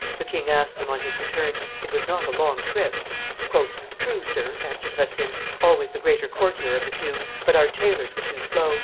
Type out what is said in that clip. the king asked them on his return: "it was not a long trip." "True, sir," answered Racine, always the greater courtier of the two, "but our tailors were too slow.